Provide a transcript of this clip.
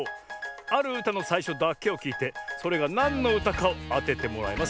あるうたのさいしょだけをきいてそれがなんのうたかをあててもらいます。